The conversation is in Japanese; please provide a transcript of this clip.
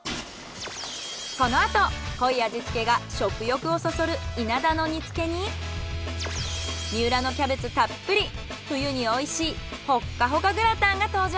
このあと濃い味付けが食欲をそそるイナダの煮付けに三浦のキャベツたっぷり冬においしいホッカホカグラタンが登場。